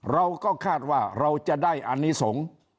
เราก็คาดว่าเราจะได้อันนี้สงฆ์